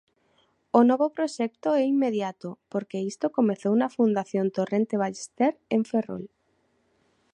O novo proxecto é inmediato, porque isto comezou na Fundación Torrente Ballester en Ferrol.